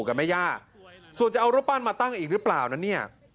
กับแม่ย่าส่วนจะเอารูปปั้นมาตั้งอีกหรือเปล่านั้นเนี่ย